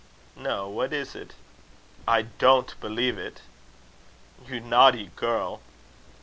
"No. What is it?" "I don't believe it." "You naughty girl!"